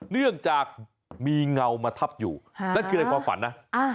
เนื่องจากมีเงามาทับอยู่นั่นคือในความฝันนะ